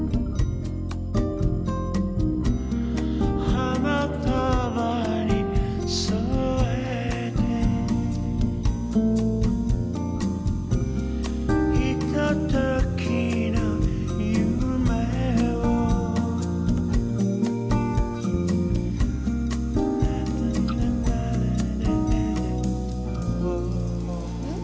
「花束に添えて」「ひとときの夢を」ん？